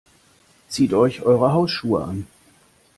Zieht euch eure Hausschuhe an.